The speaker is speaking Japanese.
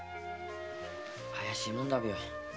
怪しいもんだべよ。